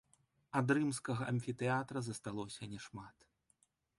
Ад рымскага амфітэатра засталося няшмат.